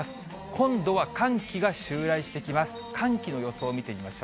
今度は寒気が襲来してきます。